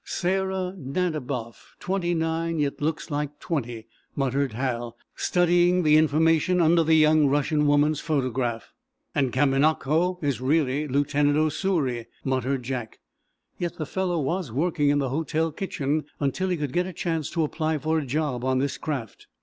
"Sara Nadiboff, twenty nine, yet looks like twenty," muttered Hal, studying the information under the young Russian woman's photograph. "And Kamanako is really Lieutenant Osuri," muttered Jack. "Yet the fellow was working in the hotel kitchen until he could get a chance to apply for a job on this craft."